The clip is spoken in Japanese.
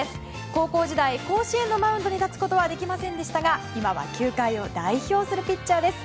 高校時代、甲子園のマウンドに立つことはできませんでしたが今は球界を代表するピッチャーです。